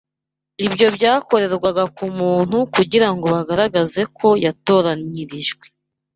Ibyo byakorerwaga ku muntu kugira ngo bagaragaze ko yatoranyirijwe